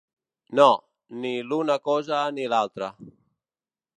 No, ni l’una cosa ni l’altra.